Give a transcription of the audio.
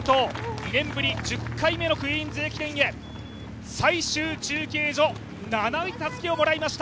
２年ぶり１０回目の「クイーンズ駅伝」へ最終中継所、７位たすきをもらいました。